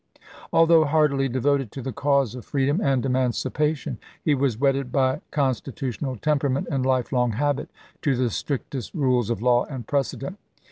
Although heartily devoted to the cause of free dom and emancipation, he was wedded, by consti tutional temperament and lifelong habit, to the strictest rules of law and precedent.